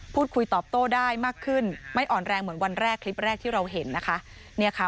พูดคุยตอบโต้ได้มากขึ้นไม่อ่อนแรงเหมือนวันแรกคลิปแรกที่เราเห็นนะคะ